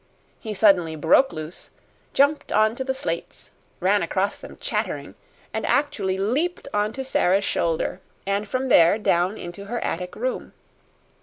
He suddenly broke loose, jumped on to the slates, ran across them chattering, and actually leaped on to Sara's shoulder, and from there down into her attic room.